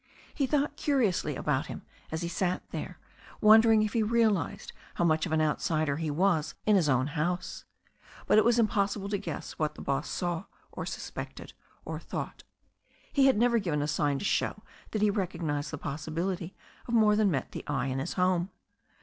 He thought curiously about him as he sat there, wondering if he realized how much of an outsider he was in his own house. But it was impossible to guess what the boss saw, 192 THE STORY OF A NEW ZEALAND RIVER or suspected, or thought. He had never given a sign to show that he recognized the possibility of more than met the eye in his home.